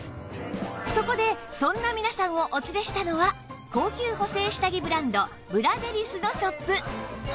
そこでそんな皆さんをお連れしたのは高級補整下着ブランドブラデリスのショップ